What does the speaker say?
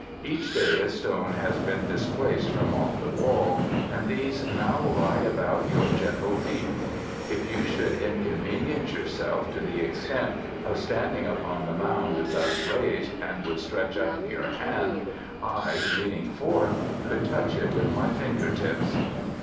"Each day a stone has been displaced from off the wall and these now lie about your gentle feet. If you should inconvenience yourself to the extent of standing upon the mound thus raised, and would stretch up your hand, I, leaning forth, could touch it with my finger tips."